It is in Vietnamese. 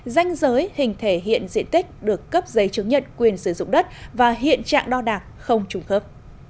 danh giới hình thể hiện diện tích được cấp giấy chứng nhận quyền sử dụng đất và hiện trạng đo đạc không trùng khớp